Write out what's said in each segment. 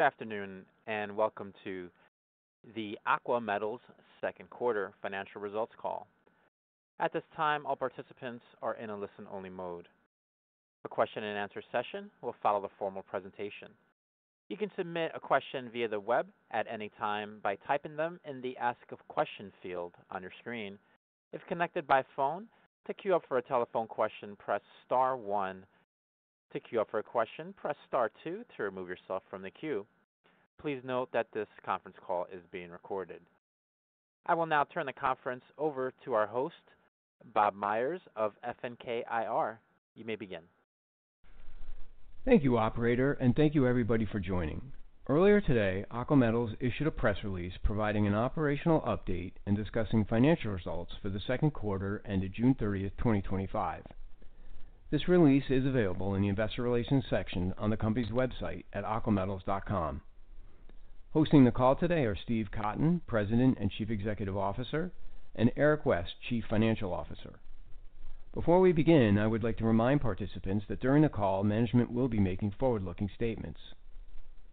Good afternoon and welcome to the Aqua Metals Second Quarter Financial Results Call. At this time, all participants are in a listen-only mode. A question and answer session will follow the formal presentation. You can submit a question via the web at any time by typing them in the Ask a question field on your screen. If connected by phone, to queue up for a telephone question, press star one to queue up for a question, press star two to remove yourself from the queue. Please note that this conference call is being recorded. I will now turn the conference over to our host, Bob Meyers of FNK IR. You may begin. Thank you, operator, and thank you everybody for joining. Earlier today, Aqua Metals issued a press release providing an operational update and discussing financial results for the second quarter ended June 30th, 2025. This release is available in the Investor Relations section on the company's website at aquametals.com. Hosting the call today are Steve Cotton, President and Chief Executive Officer, and Eric West, Chief Financial Officer. Before we begin, I would like to remind participants that during the call, management will be making forward-looking statements.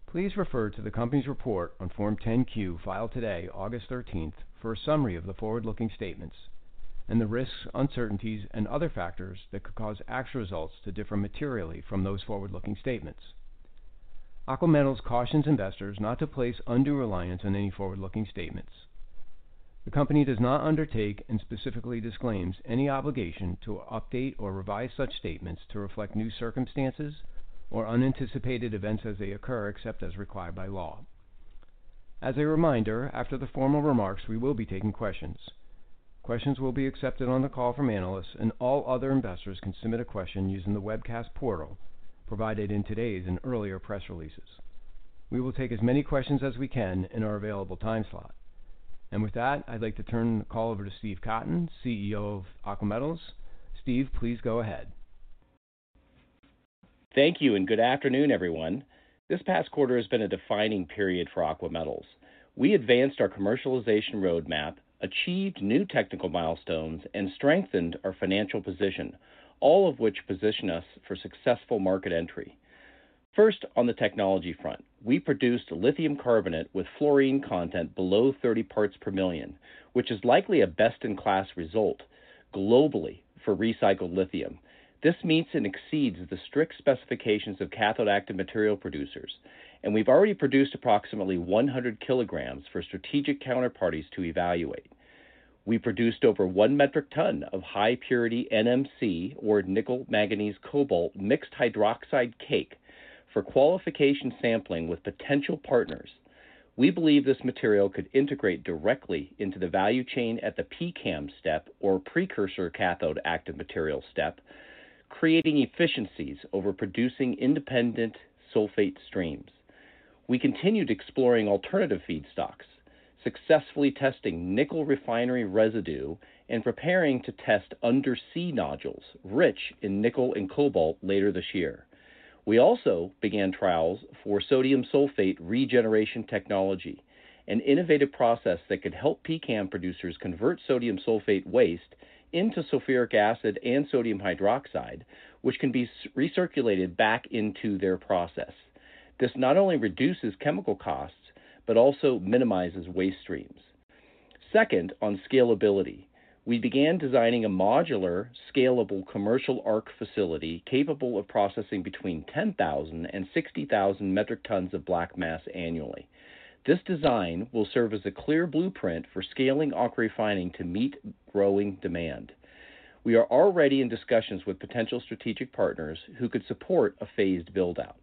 Please refer to the company's report on Form 10-Q filed today, August 13, for a summary of the forward-looking statements and the risks, uncertainties, and other factors that could cause actual results to differ materially from those forward-looking statements. Aqua Metals cautions investors not to place undue reliance on any forward-looking statements. The company does not undertake and specifically disclaims any obligation to update or revise such statements to reflect new circumstances or unanticipated events as they occur, except as required by law. As a reminder, after the formal remarks, we will be taking questions. Questions will be accepted on the call from analysts, and all other investors can submit a question using the webcast portal provided in today's and earlier press releases. We will take as many questions as we can in our available time slot. With that, I'd like to turn the call over to Steve Cotton, CEO of Aqua Metals. Steve, please go ahead. Thank you and good afternoon, everyone. This past quarter has been a defining period for Aqua Metals. We advanced our commercialization roadmap, achieved new technical milestones, and strengthened our financial position, all of which position us for successful market entry. First, on the technology front, we produced lithium carbonate with fluorine content below 30 parts per million, which is likely a best-in-class result globally for recycled lithium. This meets and exceeds the strict specifications of cathode-active material producers, and we've already produced approximately 100 kg for strategic counterparties to evaluate. We produced over 1 metric ton of high-purity NMC, or Nickel Manganese Cobalt mixed hydroxide cake, for qualification sampling with potential partners. We believe this material could integrate directly into the value chain at the PCAM step, or Precursor Cathode Active Material step, creating efficiencies over producing independent sulfate streams. We continued exploring alternative feedstocks, successfully testing nickel refinery residue and preparing to test undersea nodules rich in nickel and cobalt later this year. We also began trials for sodium sulfate regeneration technology, an innovative process that could help PCAM producers convert sodium sulfate waste into sulfuric acid and sodium hydroxide, which can be recirculated back into their process. This not only reduces chemical costs but also minimizes waste streams. Second, on scalability, we began designing a modular, scalable commercial ARC facility capable of processing between 10,000 metric tons and 60,000 metric tons of black mass annually. This design will serve as a clear blueprint for scaling AquaRefining to meet growing demand. We are already in discussions with potential strategic partners who could support a phased build-out.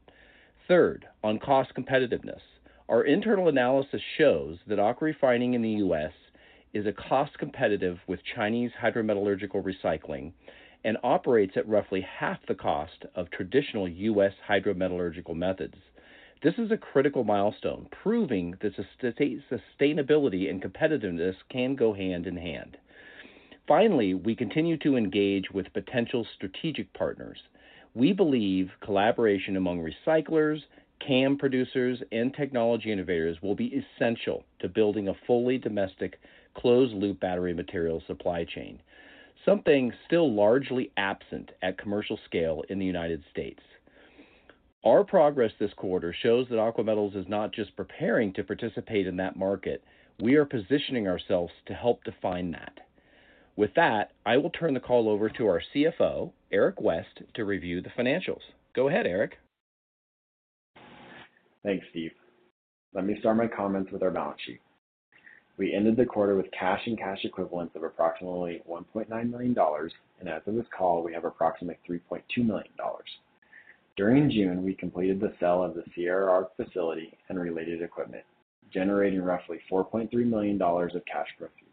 Third, on cost competitiveness, our internal analysis shows that AquaRefining in the U.S.is cost-competitive with Chinese hydrometallurgical recycling and operates at roughly half the cost of traditional U.S. hydrometallurgical methods. This is a critical milestone, proving that sustainability and competitiveness can go hand in hand. Finally, we continue to engage with potential strategic partners. We believe collaboration among recyclers, CAM producers, and technology innovators will be essential to building a fully domestic closed-loop battery material supply chain, something still largely absent at commercial scale in the United States. Our progress this quarter shows that Aqua Metals is not just preparing to participate in that market; we are positioning ourselves to help define that. With that, I will turn the call over to our CFO, Eric West, to review the financials. Go ahead, Eric. Thanks, Steve. Let me start my comments with our balance sheet. We ended the quarter with cash and cash equivalents of approximately $1.9 million, and as of this call, we have approximately $3.2 million. During June, we completed the sale of the CRR facility and related equipment, generating roughly $4.3 million of cash proceeds.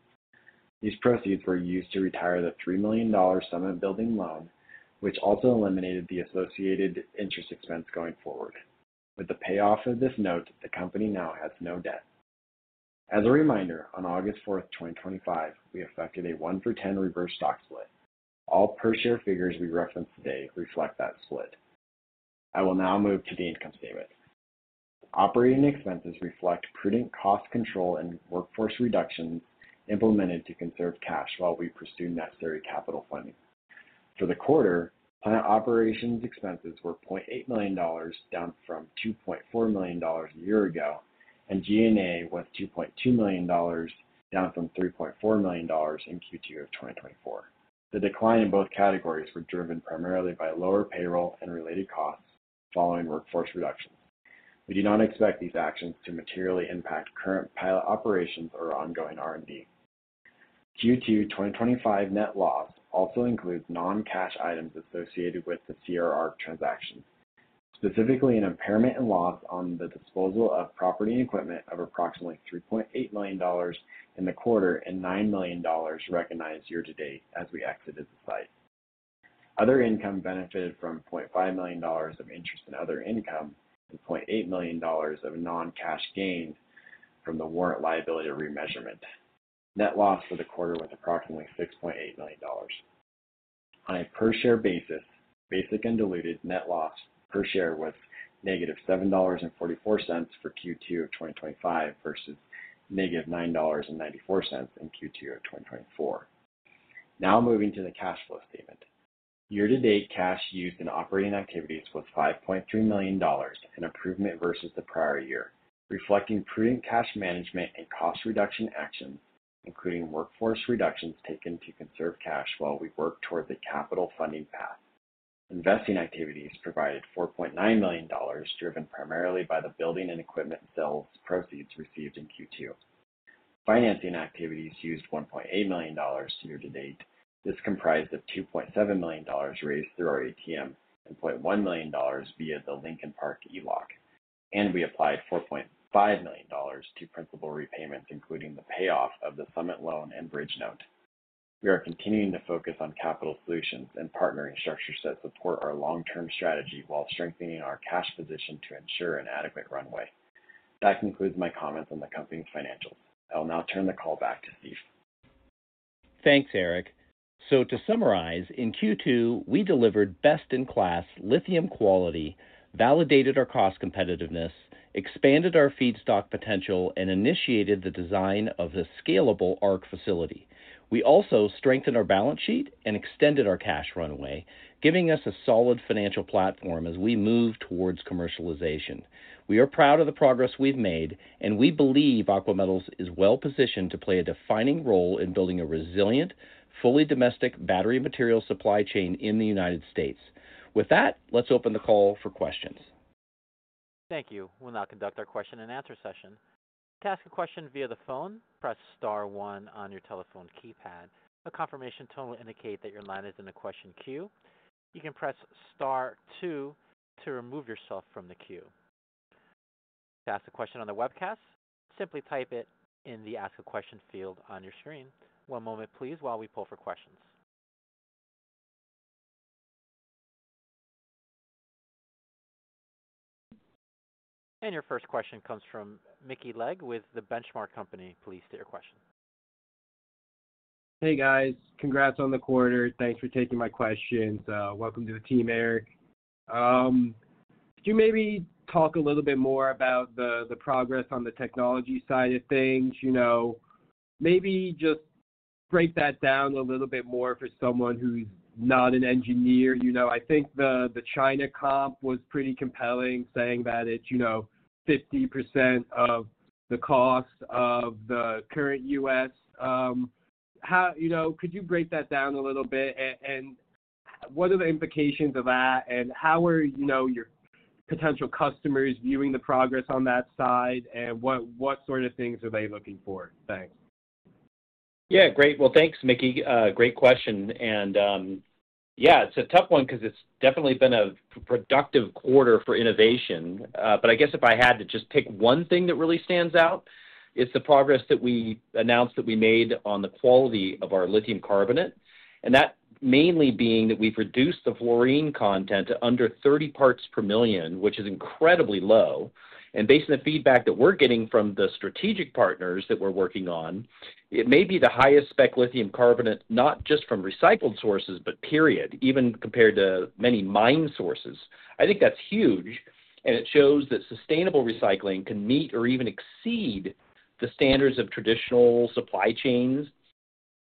These proceeds were used to retire the $3 million sum of building loan, which also eliminated the associated interest expense going forward. With the payoff of this note, the company now has no debt. As a reminder, on August 4th, 2025, we effected a one-for-ten reverse stock split. All per-share figures we referenced today reflect that split. I will now move to the income statement. Operating expenses reflect prudent cost control and workforce reductions implemented to conserve cash while we pursue necessary capital funding. For the quarter, plant operations expenses were $0.8 million, down from $2.4 million a year ago, and G&A was $2.2 million, down from $3.4 million in Q2 of 2024. The decline in both categories was driven primarily by lower payroll and related costs following workforce reductions. We do not expect these actions to materially impact current pilot operations or ongoing R&D. Q2 2025 net loss also includes non-cash items associated with the CRR transaction, specifically an impairment and loss on the disposal of property and equipment of approximately $3.8 million in the quarter and $9 million recognized year to date as we exited the site. Other income benefited from $0.5 million of interest and other income and $0.8 million of non-cash gain from the warrant liability remeasurement. Net loss for the quarter was approximately $6.8 million. On a per-share basis, basic and diluted net loss per share was -$7.44 for Q2 of 2025 versus -$9.94 in Q2 of 2024. Now moving to the cash flow statement. Year-to-date cash used in operating activities was $5.3 million, an improvement versus the prior year, reflecting prudent cash management and cost reduction actions, including workforce reductions taken to conserve cash while we work toward the capital funding path. Investing activities provided $4.9 million, driven primarily by the building and equipment sales proceeds received in Q2. Financing activities used $1.8 million year to date. This comprised a $2.7 million raise through our ATM and $0.1 million via the Lincoln Park ELOC, and we applied $4.5 million to principal repayments, including the payoff of the Summit Loan and Bridge Note. We are continuing to focus on capital solutions and partnering structures that support our long-term strategy while strengthening our cash position to ensure an adequate runway. That concludes my comments on the company's financials. I will now turn the call back to Steve. Thanks, Eric. To summarize, in Q2, we delivered best-in-class lithium quality, validated our cost competitiveness, expanded our feedstock potential, and initiated the design of this scalable ARC facility. We also strengthened our balance sheet and extended our cash runway, giving us a solid financial platform as we move towards commercialization. We are proud of the progress we've made, and we believe Aqua Metals is well-positioned to play a defining role in building a resilient, fully domestic battery material supply chain in the United States. With that, let's open the call for questions. Thank you. We'll now conduct our question and answer session. To ask a question via the phone, press star one on your telephone keypad. A confirmation tone will indicate that your line is in a question queue. You can press star two to remove yourself from the queue. To ask a question on the webcast, simply type it in the Ask a Question field on your screen. One moment, please, while we pull for questions. Your first question comes from Mickey Legg with The Benchmark Company. Please state your question. Hey, guys. Congrats on the quarter. Thanks for taking my questions. Welcome to the team, Eric. Could you maybe talk a little bit more about the progress on the technology side of things? Maybe just break that down a little bit more for someone who's not an engineer. I think the China comp was pretty compelling, saying that it's 50% of the cost of the current U.S. How could you break that down a little bit? What are the implications of that? How are your potential customers viewing the progress on that side? What sort of things are they looking for? Thanks. Yeah, great. Thanks, Mickey. Great question. It's a tough one because it's definitely been a productive quarter for innovation. If I had to just pick one thing that really stands out, it's the progress that we announced that we made on the quality of our lithium carbonate, mainly being that we've reduced the fluorine content to under 30 parts per million, which is incredibly low. Based on the feedback that we're getting from the strategic partners that we're working on, it may be the highest spec lithium carbonate, not just from recycled sources, but period, even compared to many mine sources. I think that's huge. It shows that sustainable recycling can meet or even exceed the standards of traditional supply chains.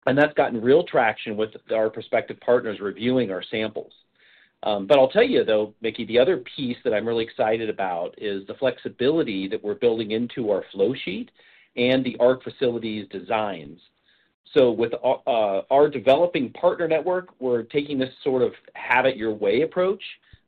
That's gotten real traction with our prospective partners reviewing our samples. I'll tell you, though, Mickey, the other piece that I'm really excited about is the flexibility that we're building into our flow sheet and the ARC facility designs. With our developing partner network, we're taking this sort of have-it-your-way approach,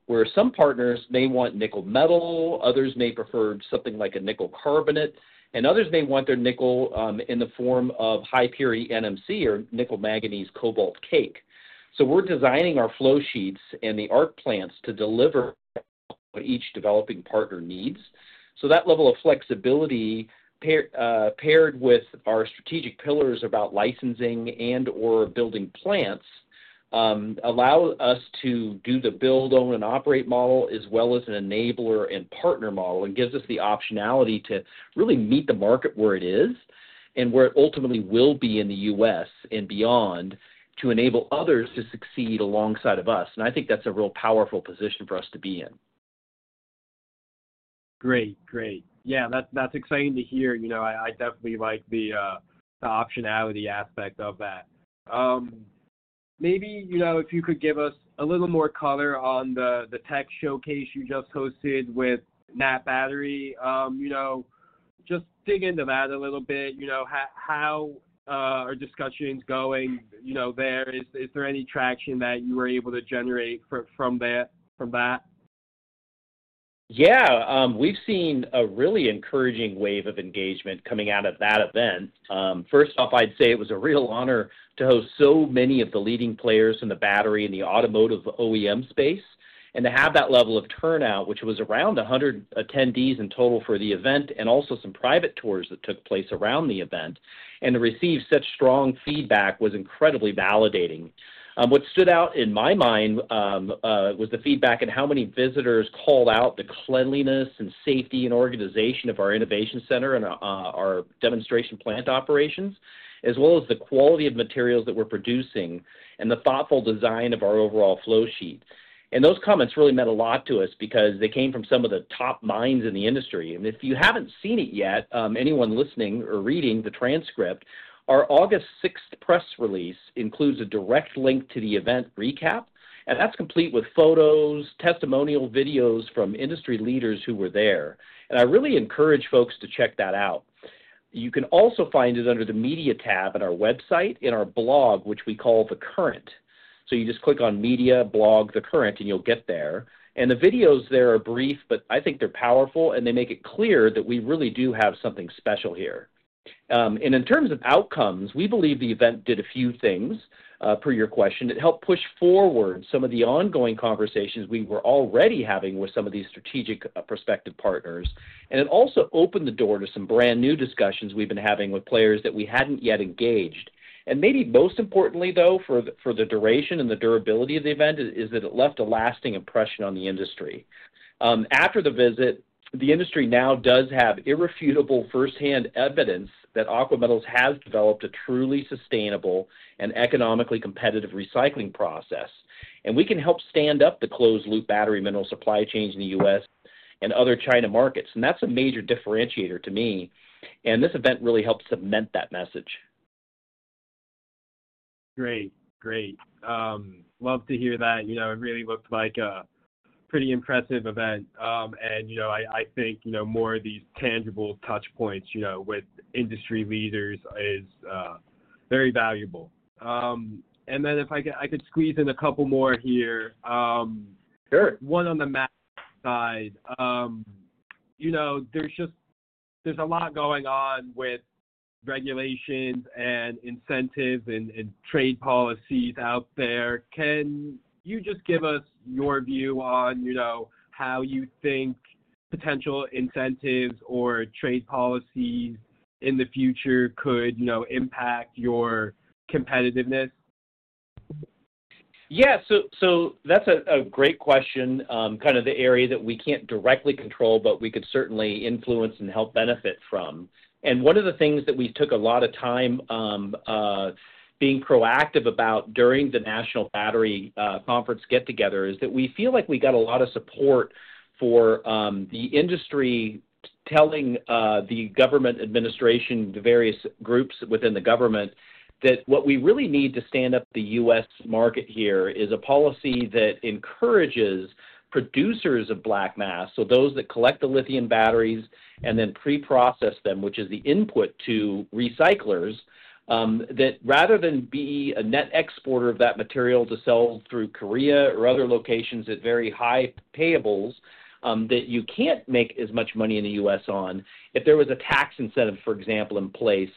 where some partners may want nickel metal, others may prefer something like a nickel carbonate, and others may want their nickel in the form of high-purity NMC mixed hydroxide cake. We're designing our flow sheets and the ARC plans to deliver what each developing partner needs. That level of flexibility, paired with our strategic pillars about licensing and/or building plants, allows us to do the build, own, and operate model as well as an enabler and partner model, and gives us the optionality to really meet the market where it is and where it ultimately will be in the U.S. and beyond to enable others to succeed alongside of us. I think that's a real powerful position for us to be in. Great, great. Yeah, that's exciting to hear. I definitely like the optionality aspect of that. Maybe, if you could give us a little more color on the tech showcase you just hosted with NAAT Battery, just dig into that a little bit. How are discussions going there? Is there any traction that you were able to generate from that? Yeah, we've seen a really encouraging wave of engagement coming out of that event. First off, I'd say it was a real honor to host so many of the leading players in the battery and the automotive OEM space, and to have that level of turnout, which was around 100 attendees in total for the event, and also some private tours that took place around the event, and to receive such strong feedback was incredibly validating. What stood out in my mind was the feedback and how many visitors called out the cleanliness and safety and organization of our innovation center and our demonstration plant operations, as well as the quality of materials that we're producing and the thoughtful design of our overall flow sheet. Those comments really meant a lot to us because they came from some of the top minds in the industry. If you haven't seen it yet, anyone listening or reading the transcript, our August 6th press release includes a direct link to the event recap, and that's complete with photos, testimonial videos from industry leaders who were there. I really encourage folks to check that out. You can also find it under the media tab on our website in our blog, which we call The Current. You just click on media, blog, The Current, and you'll get there. The videos there are brief, but I think they're powerful, and they make it clear that we really do have something special here. In terms of outcomes, we believe the event did a few things, per your question. It helped push forward some of the ongoing conversations we were already having with some of these strategic prospective partners. It also opened the door to some brand new discussions we've been having with players that we hadn't yet engaged. Maybe most importantly, though, for the duration and the durability of the event is that it left a lasting impression on the industry. After the visit, the industry now does have irrefutable firsthand evidence that Aqua Metals has developed a truly sustainable and economically competitive recycling process. We can help stand up the closed-loop battery mineral supply chains in the U.S. and other China markets. That's a major differentiator to me. This event really helped cement that message. Great, great. Love to hear that. It really looked like a pretty impressive event. I think more of these tangible touchpoints with industry leaders is very valuable. If I could squeeze in a couple more here. One on the mass side, there's just a lot going on with regulations and incentives and trade policies out there. Can you give us your view on how you think potential incentives or trade policies in the future could impact your competitiveness? Yeah, that's a great question, kind of the area that we can't directly control, but we could certainly influence and help benefit from. One of the things that we took a lot of time being proactive about during the National Battery conference get-together is that we feel like we got a lot of support for the industry, telling the government administration, the various groups within the government, that what we really need to stand up the U.S. market here is a policy that encourages producers of black mass, so those that collect the lithium batteries and then pre-process them, which is the input to recyclers, that rather than be a net exporter of that material to sell through Korea or other locations at very high payables, that you can't make as much money in the U.S. on. If there was a tax incentive, for example, in place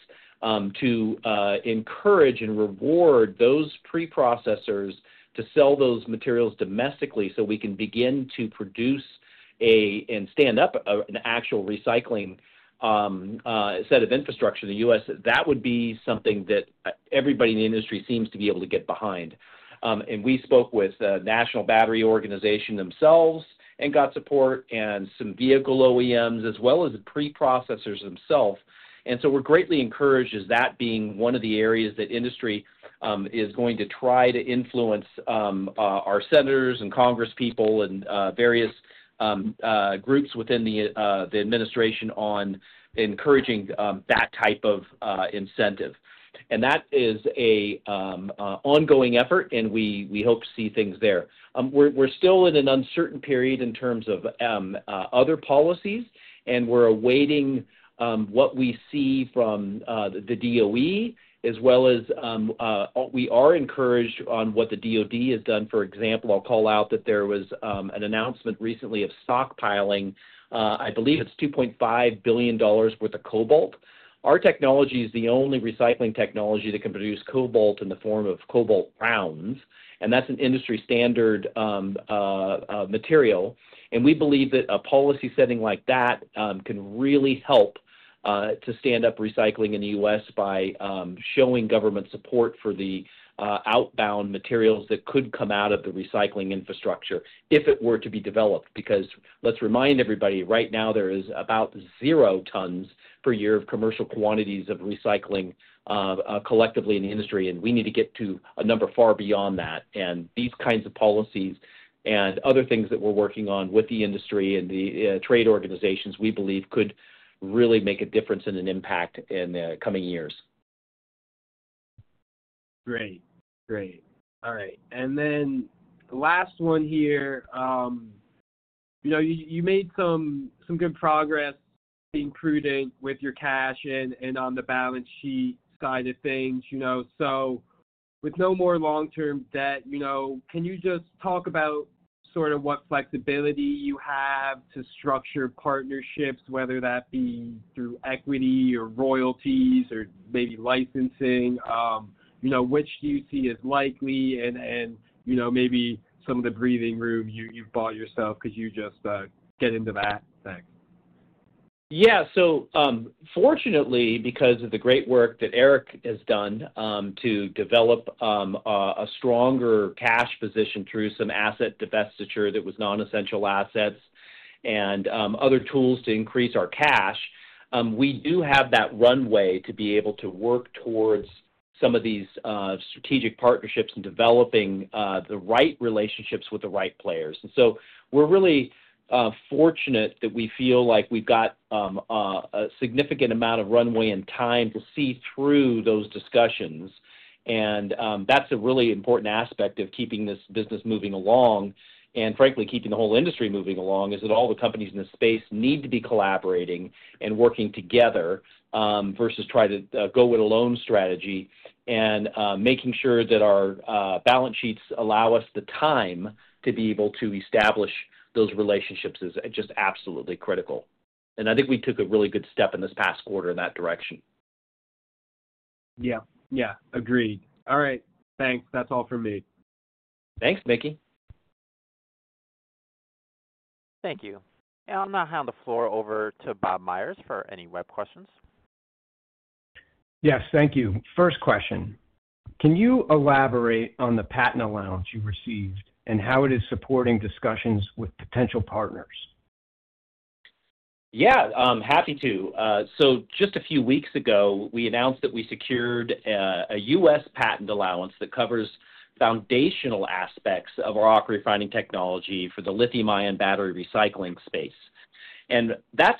to encourage and reward those pre-processors to sell those materials domestically so we can begin to produce and stand up an actual recycling set of infrastructure in the U.S., that would be something that everybody in the industry seems to be able to get behind. We spoke with the National Battery organization themselves and got support and some vehicle OEMs as well as the pre-processors themselves. We're greatly encouraged as that being one of the areas that industry is going to try to influence our senators and congresspeople and various groups within the administration on encouraging that type of incentive. That is an ongoing effort, and we hope to see things there. We're still in an uncertain period in terms of other policies, and we're awaiting what we see from the DOE, as well as we are encouraged on what the DOD has done. For example, I'll call out that there was an announcement recently of stockpiling, I believe it's $2.5 billion worth of cobalt. Our technology is the only recycling technology that can produce cobalt in the form of cobalt rounds, and that's an industry standard material. We believe that a policy setting like that can really help to stand up recycling in the U.S. by showing government support for the outbound materials that could come out of the recycling infrastructure if it were to be developed. Because let's remind everybody, right now there is about 0 tons per year of commercial quantities of recycling collectively in the industry, and we need to get to a number far beyond that. These kinds of policies and other things that we're working on with the industry and the trade organizations we believe could really make a difference and an impact in the coming years. Great. All right. The last one here. You made some good progress being prudent with your cash and on the balance sheet side of things. With no more long-term debt, can you just talk about what flexibility you have to structure partnerships, whether that be through equity or royalties or maybe licensing? Which do you see as likely? Maybe some of the breathing room you've bought yourself, could you just get into that? Yeah, fortunately, because of the great work that Eric has done to develop a stronger cash position through some asset divestiture that was non-essential assets and other tools to increase our cash, we do have that runway to be able to work towards some of these strategic partnerships and developing the right relationships with the right players. We're really fortunate that we feel like we've got a significant amount of runway and time to see through those discussions. That's a really important aspect of keeping this business moving along and, frankly, keeping the whole industry moving along, is that all the companies in this space need to be collaborating and working together versus trying to go with a lone strategy. Making sure that our balance sheets allow us the time to be able to establish those relationships is just absolutely critical. I think we took a really good step in this past quarter in that direction. Yeah, agreed. All right, thanks. That's all for me. Thanks, Mickey. Thank you. I'm now handing the floor over to Bob Meyers for any web questions. Yes, thank you. First question. Can you elaborate on the patent allowance you received and how it is supporting discussions with potential partners? Yeah, happy to. Just a few weeks ago, we announced that we secured a U.S. patent allowance that covers foundational aspects of our AquaRefining technology for the lithium-ion battery recycling space. That's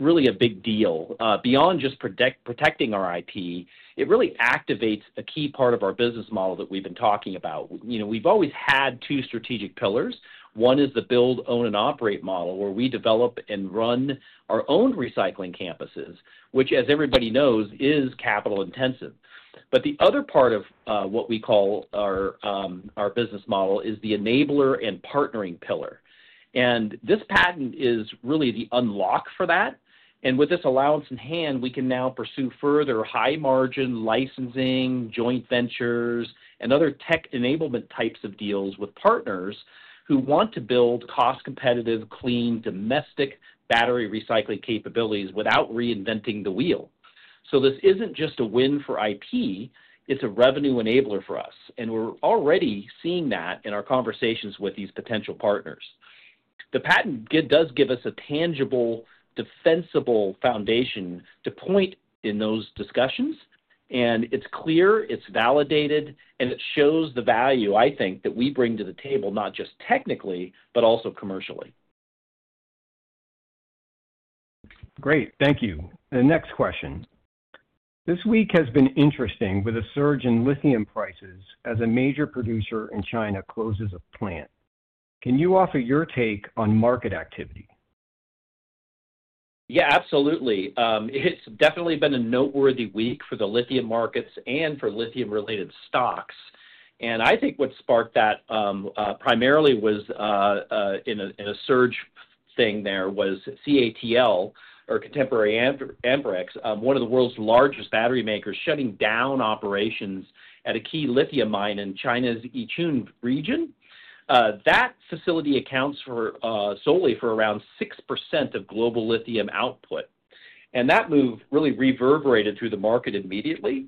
really a big deal. Beyond just protecting our IP, it really activates a key part of our business model that we've been talking about. We've always had two strategic pillars. One is the build, own, and operate model, where we develop and run our own recycling campuses, which, as everybody knows, is capital intensive. The other part of what we call our business model is the enabler and partnering pillar. This patent is really the unlock for that. With this allowance in hand, we can now pursue further high-margin licensing, joint ventures, and other tech enablement types of deals with partners who want to build cost-competitive, clean, domestic battery recycling capabilities without reinventing the wheel. This isn't just a win for IP; it's a revenue enabler for us. We're already seeing that in our conversations with these potential partners. The patent does give us a tangible, defensible foundation to point in those discussions. It's clear, it's validated, and it shows the value, I think, that we bring to the table, not just technically, but also commercially. Great, thank you. Next question. This week has been interesting with a surge in lithium prices as a major producer in China closes a plant. Can you offer your take on market activity? Yeah, absolutely. It's definitely been a noteworthy week for the lithium markets and for lithium-related stocks. I think what sparked that primarily was a surge thing there was CATL, or Contemporary Amperex, one of the world's largest battery makers, shutting down operations at a key lithium mine in China's Yichun region. That facility accounts solely for around 6% of global lithium output. That move really reverberated through the market immediately.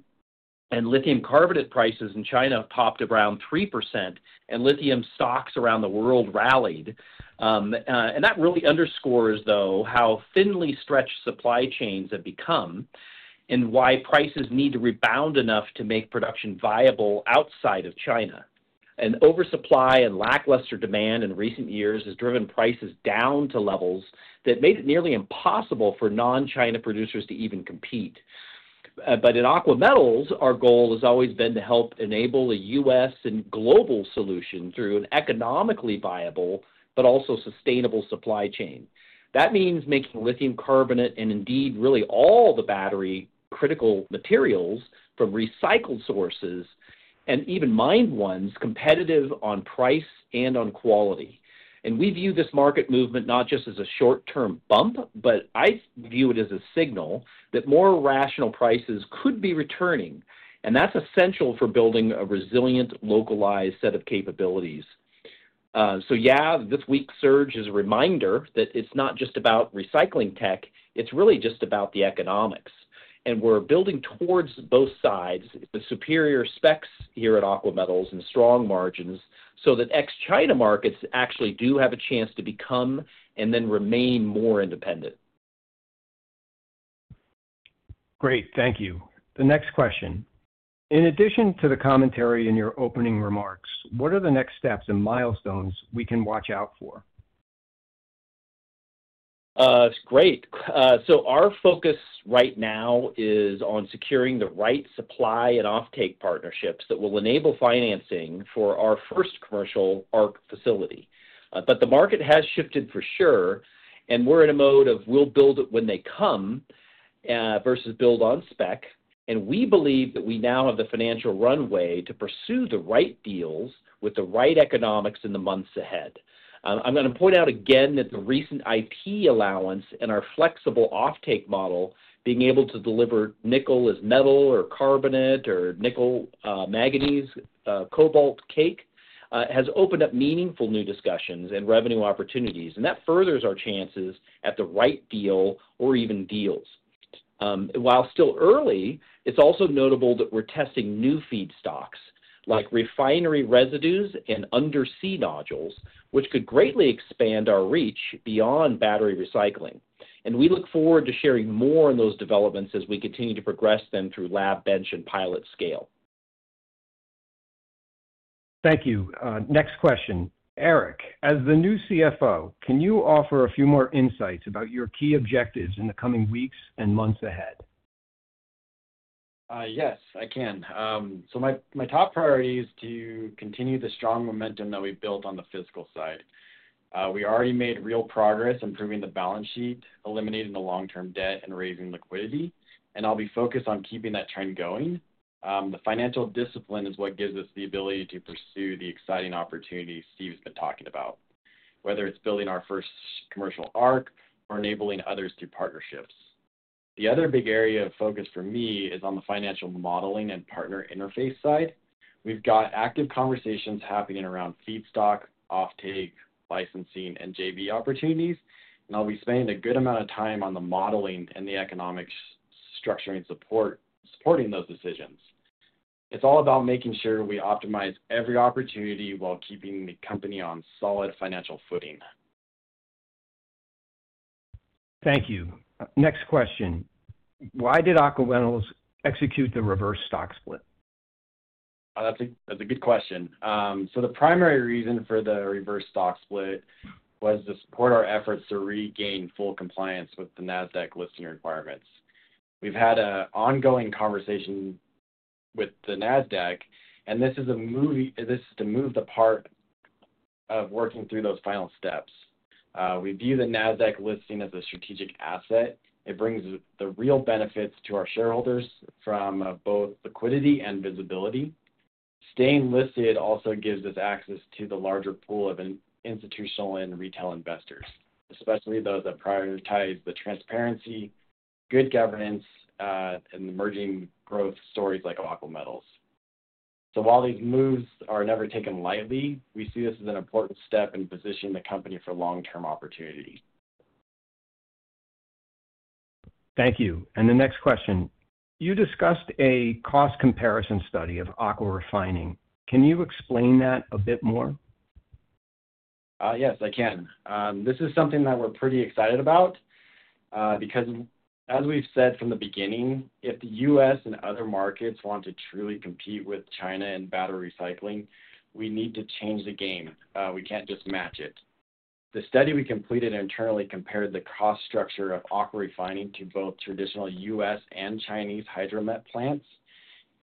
Lithium carbonate prices in China popped around 3%, and lithium stocks around the world rallied. That really underscores how thinly stretched supply chains have become and why prices need to rebound enough to make production viable outside of China. Oversupply and lackluster demand in recent years has driven prices down to levels that made it nearly impossible for non-China producers to even compete. At Aqua Metals, our goal has always been to help enable a U.S. and global solution through an economically viable but also sustainable supply chain. That means making lithium carbonate and indeed really all the battery-critical materials from recycled sources and even mined ones competitive on price and on quality. We view this market movement not just as a short-term bump, but I view it as a signal that more rational prices could be returning. That's essential for building a resilient, localized set of capabilities. This week's surge is a reminder that it's not just about recycling tech. It's really just about the economics. We're building towards both sides, the superior specs here at Aqua Metals and strong margins so that ex-China markets actually do have a chance to become and then remain more independent. Great, thank you. The next question. In addition to the commentary in your opening remarks, what are the next steps and milestones we can watch out for? Great. Our focus right now is on securing the right supply and offtake partnerships that will enable financing for our first commercial ARC facility. The market has shifted for sure, and we're in a mode of we'll build it when they come versus build on spec. We believe that we now have the financial runway to pursue the right deals with the right economics in the months ahead. I'm going to point out again that the recent IP allowance and our flexible offtake model, being able to deliver nickel as metal or carbonate or nickel manganese cobalt cake, has opened up meaningful new discussions and revenue opportunities. That furthers our chances at the right deal or even deals. While still early, it's also notable that we're testing new feedstocks like refinery residues and undersea nodules, which could greatly expand our reach beyond battery recycling. We look forward to sharing more on those developments as we continue to progress them through lab bench and pilot scale. Thank you. Next question. Eric, as the new CFO, can you offer a few more insights about your key objectives in the coming weeks and months ahead? Yes, I can. My top priority is to continue the strong momentum that we built on the fiscal side. We already made real progress improving the balance sheet, eliminating the long-term debt, and raising liquidity. I'll be focused on keeping that trend going. The financial discipline is what gives us the ability to pursue the exciting opportunities Steve's been talking about, whether it's building our first commercial ARC facility or enabling others through partnerships. The other big area of focus for me is on the financial modeling and partner interface side. We've got active conversations happening around feedstock, offtake, licensing, and JV opportunities. I'll be spending a good amount of time on the modeling and the economic structuring supporting those decisions. It's all about making sure we optimize every opportunity while keeping the company on solid financial footing. Thank you. Next question. Why did Aqua Metals execute the reverse stock split? That's a good question. The primary reason for the reverse stock split was to support our efforts to regain full compliance with the NASDAQ listing requirements. We've had an ongoing conversation with NASDAQ, and this is the move to part of working through those final steps. We view the NASDAQ listing as a strategic asset. It brings real benefits to our shareholders from both liquidity and visibility. Staying listed also gives us access to the larger pool of institutional and retail investors, especially those that prioritize transparency, good governance, and emerging growth stories like Aqua Metals. While these moves are never taken lightly, we see this as an important step in positioning the company for long-term opportunities. Thank you. The next question. You discussed a cost comparison study of AquaRefining. Can you explain that a bit more? Yes, I can. This is something that we're pretty excited about because, as we've said from the beginning, if the U.S. and other markets want to truly compete with China in battery recycling, we need to change the game. We can't just match it. The study we completed internally compared the cost structure of AquaRefining to both traditional U.S. and Chinese hydromet plants,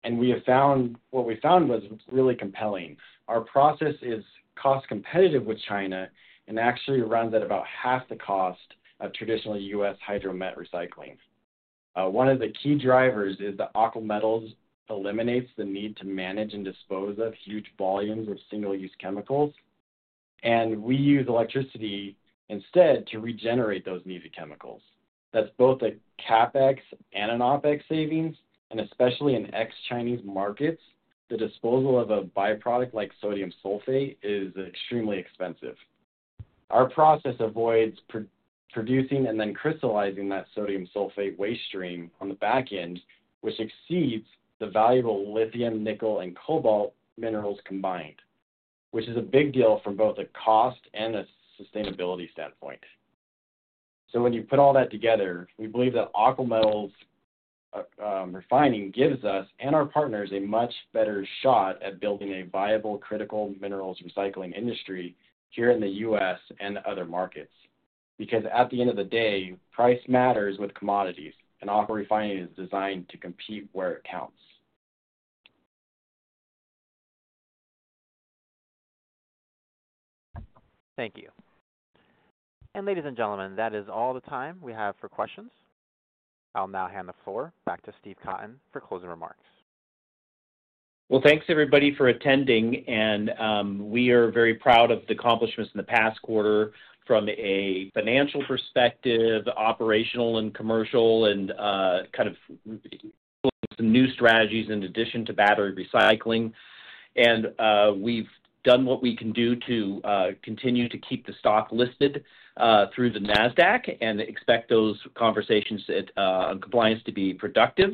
and we have found what we found was really compelling. Our process is cost-competitive with China and actually runs at about half the cost of traditional U.S. hydromet recycling. One of the key drivers is that Aqua Metals eliminates the need to manage and dispose of huge volumes of single-use chemicals, and we use electricity instead to regenerate those needs of chemicals. That's both a CapEx and an OpEx savings, and especially in ex-Chinese markets, the disposal of a byproduct like sodium sulfate is extremely expensive. Our process avoids producing and then crystallizing that sodium sulfate waste stream on the back end, which exceeds the valuable lithium, nickel, and cobalt minerals combined, which is a big deal from both a cost and a sustainability standpoint. When you put all that together, we believe that AquaRefining gives us and our partners a much better shot at building a viable critical minerals recycling industry here in the U.S. and other markets. At the end of the day, price matters with commodities, and AquaRefining is designed to compete where it counts. Thank you. Ladies and gentlemen, that is all the time we have for questions. I'll now hand the floor back to Steve Cotton for closing remarks. Thank you everybody for attending, and we are very proud of the accomplishments in the past quarter from a financial perspective, operational and commercial, and kind of some new strategies in addition to battery recycling. We've done what we can do to continue to keep the stock listed through the NASDAQ and expect those conversations on compliance to be productive.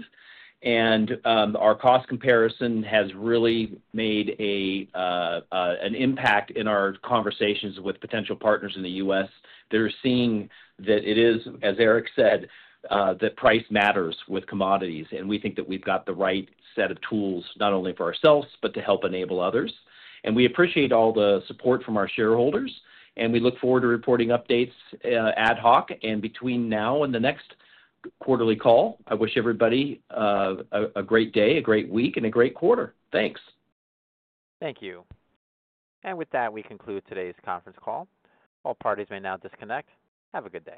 Our cost comparison has really made an impact in our conversations with potential partners in the U.S. They're seeing that it is, as Eric said, that price matters with commodities, and we think that we've got the right set of tools not only for ourselves, but to help enable others. We appreciate all the support from our shareholders, and we look forward to reporting updates ad hoc. Between now and the next quarterly call, I wish everybody a great day, a great week, and a great quarter. Thanks. Thank you. With that, we conclude today's conference call. All parties may now disconnect. Have a good day.